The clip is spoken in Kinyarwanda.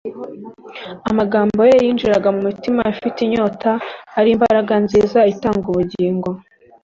Amagambo ye yinjiraga mu mitima ifite inyota ari imbaraga nziza itanga ubugingo.